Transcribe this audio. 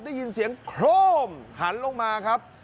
ได้ยินเสียงโครมหันลงมาครับ